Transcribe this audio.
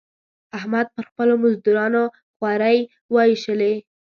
احمد پر خپلو مزدورانو خورۍ واېشولې.